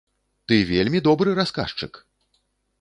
Ты вельмі добры расказчык!